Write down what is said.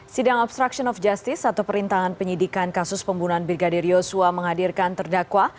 sidang obstruction of justice atau perintangan penyidikan kasus pembunuhan brigadir yosua menghadirkan terdakwa